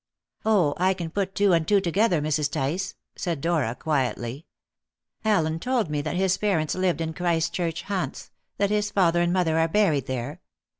"Oh, I can put two and two together, Mrs. Tice," said Dora quietly. "Allen told me that his parents lived in Christchurch, Hants that his father and mother are buried there.